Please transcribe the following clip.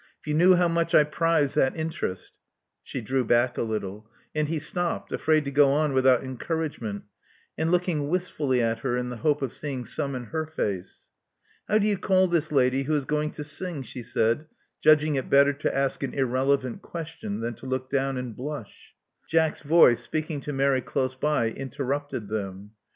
If you knew how much I prize that interest " She drew back a little ; and he stopped, afraid to go on without encouragement, and looking wistfully at her in the hope of seeing some in her face. How do you call this lady who is going to sing?" she said, judging it better to ask an irrelevant question than to look down and blush. Jack's voice, speaking to Mary close by, interrupted them.